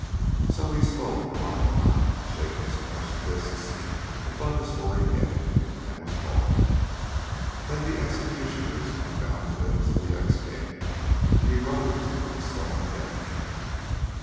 So he spoke from on high, shaking his clenched fists above his hoary head, and was gone. Then the executioners unbound the limbs of the ex king, and he rose from the stone of death.